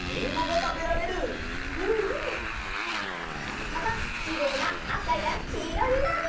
はっぱがきれいなあかやきいろになる！